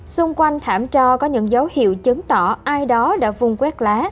xung quanh thảm cho có những dấu hiệu chứng tỏ ai đó đã vung quét lá